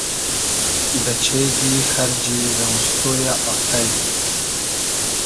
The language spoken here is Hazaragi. دۂ چېگی خئرجی زئووستۉ یۂ آتݷ